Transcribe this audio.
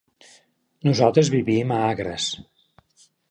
Nosaltres vivim a Agres.